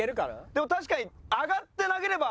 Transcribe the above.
でも確かに上がって投げれば。